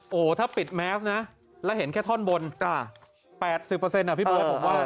โอ้โหถ้าปิดแมฟนะแล้วเห็นแค่ท่อนบน๘๐เปอร์เซ็นต์อ่ะพี่บัวผมว่านะ